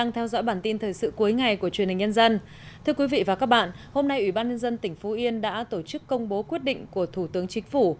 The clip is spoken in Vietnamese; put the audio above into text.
thưa quý vị và các bạn hôm nay ủy ban nhân dân tỉnh phú yên đã tổ chức công bố quyết định của thủ tướng chính phủ